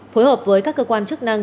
phối hợp với các cơ quan chức năng